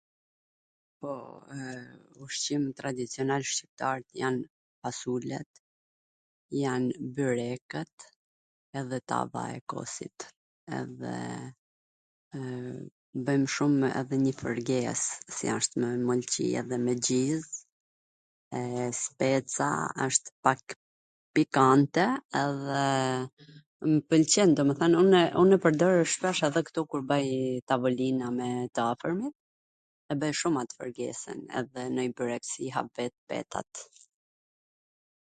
Po, ushqim tradicional shqiptar jan fasulet, janw byrekwt, edhe tava e kosit, edhe bwjm shum edhe njjw fwrges, si asht me mwlCi edhe me gjiz e speca, wsht pak pikante edhe, mw pwlqen domethwn, un e pwrdor shpesh edhe ktu kur bwj tavolina me t afwrmit, e bwj shum at fwrgeswn, edhe nonj byrek si i hap vet petat,